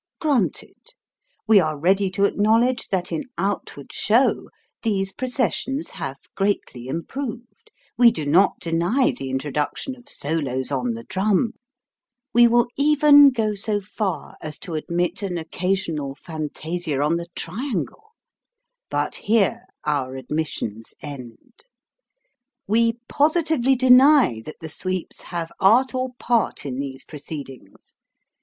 Granted. We are ready to acknowledge that in outward show, these processions have greatly improved : we do not deny the intro duction of solos on the drum ; we will even go so far as to admit an occasional fantasia on the triangle, but here our admissions end. We positively deny that the sweeps have art or part in these proceedings.